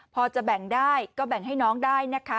พอจะแบ่งได้ก็แบ่งให้น้องได้นะคะ